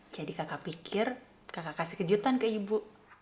jadi kakak pikir kakak kasih kejutan ke ibu